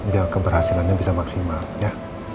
biar keberhasilannya bisa maksimal ya